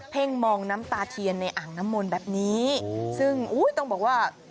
่งมองน้ำตาเทียนในอ่างน้ำมนต์แบบนี้ซึ่งอุ้ยต้องบอกว่า